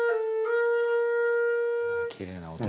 きれいな音。